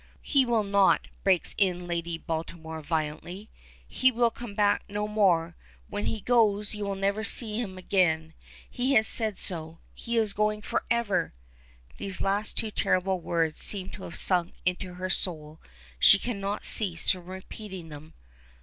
"He will not," breaks in Lady Baltimore violently. "He will come back no more. When he goes you will never see him again. He has said so. He is going forever!" These last two terrible words seem to have sunk into her soul. She cannot cease from repeating them.